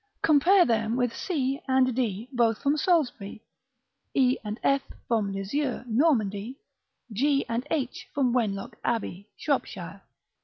Compare them with c and d; both from Salisbury; e and f from Lisieux, Normandy; g and h from Wenlock Abbey, Shropshire.